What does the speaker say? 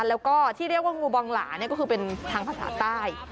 แล้วก็ที่เรียกว่างูบองหลาก็คือเป็นทางภาษาใต้